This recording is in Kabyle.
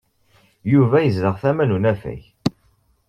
Yuba yezdeɣ tama n unafag.